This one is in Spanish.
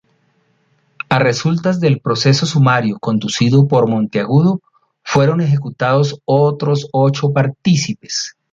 A resultas del proceso sumario conducido por Monteagudo fueron ejecutados otros ocho partícipes.